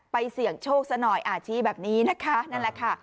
เสี่ยงโชคซะหน่อยอาชีพแบบนี้นะคะนั่นแหละค่ะ